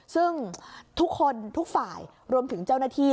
ซึ่งทุกคนทุกฝ่ายรวมถึงเจ้าหน้าที่